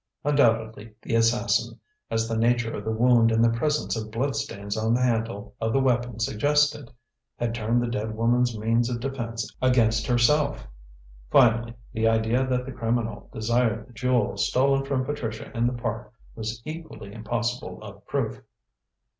Undoubtedly the assassin as the nature of the wound and the presence of blood stains on the handle of the weapon suggested had turned the dead woman's means of defence against herself. Finally, the idea that the criminal desired the jewel stolen from Patricia in the Park was equally impossible of proof.